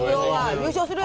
優勝するよ！